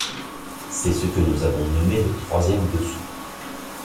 C’est ce que nous avons nommé le troisième dessous.